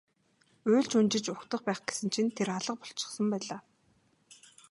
Уйлж унжиж угтах байх гэсэн чинь тэр алга болчихсон байлаа.